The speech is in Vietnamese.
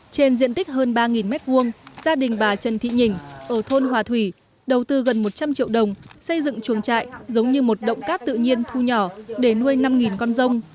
trên diện tích hơn ba m hai gia đình bà trần thị nhỉnh ở thôn hòa thủy đầu tư gần một trăm linh triệu đồng xây dựng chuồng trại giống như một động cát tự nhiên thu nhỏ để nuôi năm con rông